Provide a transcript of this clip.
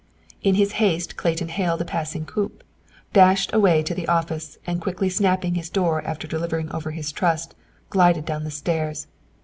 In his haste Clayton hailed a passing coupe, dashed away to the office, and quickly snapping his door after delivering over his trust, glided down the stairs.